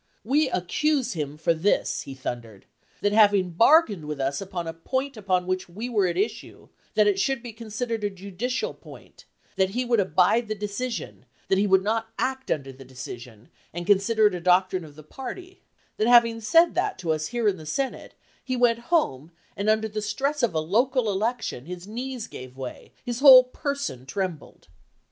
"We accuse him for this," he thundered: "that having bargained with us upon a point upon which we were at issue, that it should be con sidered a judicial point; that he would abide the decision; that he would act under the decision, and consider it a doctrine of the party; that having said that to us here in the Senate, he went home, and, under the stress of a local election, his knees gave way ; his whole person trembled.